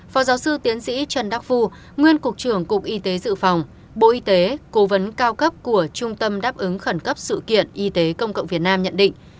phó giáo sư tiến sĩ trần đắc phu nguyên cục trưởng cục y tế dự phòng bộ y tế cố vấn cao cấp của trung tâm đáp ứng khẩn cấp sự kiện y tế công cộng việt nam nhận định